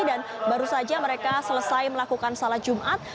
dan baru saja mereka selesai melakukan salat jumat